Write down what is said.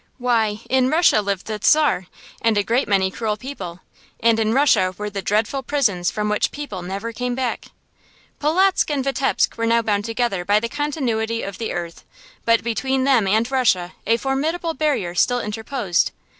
Why, in Russia lived the Czar, and a great many cruel people; and in Russia were the dreadful prisons from which people never came back. Polotzk and Vitebsk were now bound together by the continuity of the earth, but between them and Russia a formidable barrier still interposed.